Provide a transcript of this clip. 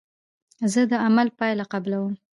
زه د عمل پایله قبلوم.